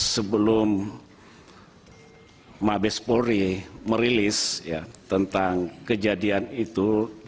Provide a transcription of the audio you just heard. sebelum mabes polri merilis tentang kejadian itu